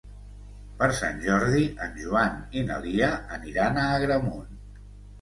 Per Sant Jordi en Joan i na Lia aniran a Agramunt.